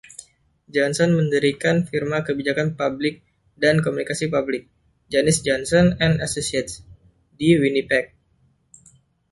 Johnson mendirikan firma kebijakan publik dan komunikasi publik, Janis Johnson and Associates, di Winnipeg.